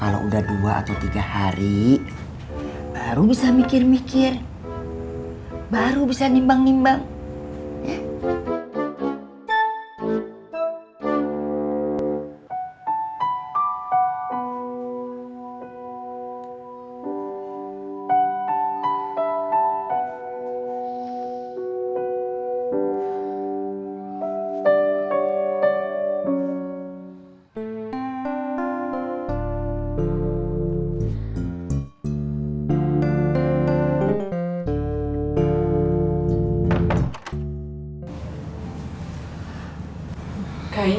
loh tapi nanti